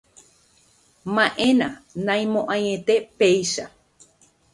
Ma'ẽna, naimo'ãiete péicha.